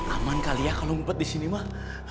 aman kali ya kalau ngumpet di sini mah